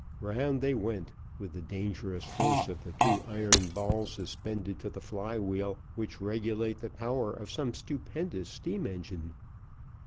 Round they went, with the dangerous force of the two iron balls suspended to the fly wheel which regulate the power of some stupendous steam engine.